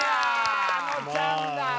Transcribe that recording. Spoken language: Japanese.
あのちゃんだわ